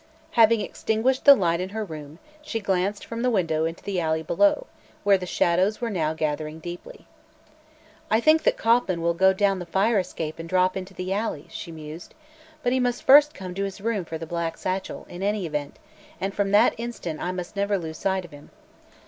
Having extinguished the light in her room, she glanced from the window into the alley below, where the shadows were now gathering deeply. "I think Kauffman will go down the fire escape and drop into the alley," she mused; "but he must first come to his room for the black satchel, in any event, and from that instant I must never lose sight of him."